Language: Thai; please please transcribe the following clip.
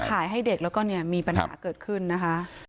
ให้เด็กแล้วก็เนี่ยมีปัญหาเกิดขึ้นนะคะ